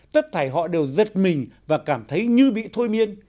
tất thầy họ đều giật mình và cảm thấy như bị thôi miên